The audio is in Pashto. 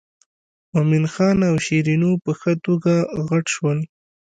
مومن خان او شیرینو په ښه توګه غټ شول.